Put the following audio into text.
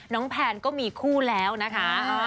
แพนก็มีคู่แล้วนะคะ